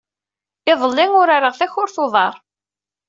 Iḍelli, urareɣ takurt n uḍar.